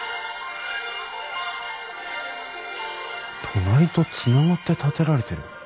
隣とつながって建てられてる。